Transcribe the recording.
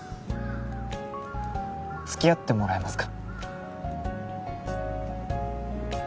つきあってもらえますか？